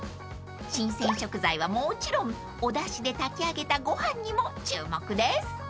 ［新鮮食材はもちろんおだしで炊きあげたご飯にも注目です］